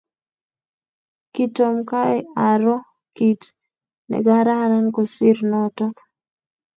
Kitomkai aro kit nekararan kosir notok.